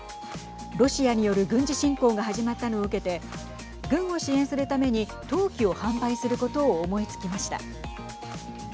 ロシアによる軍事侵攻が始まったのを受けて軍を支援するために陶器を販売することを思いつきました。